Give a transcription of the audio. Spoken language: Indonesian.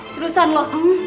seru san lo